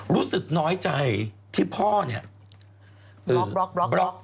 รู้สึกน้อยใจที่พ่อเนี่ยบล็อก